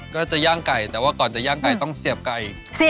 ก็จะย่างไก่แต่ว่าก่อนจะย่างไก่ต้องเสียบไก่